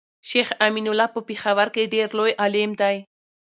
شيخ امين الله په پيښور کي ډير لوي عالم دی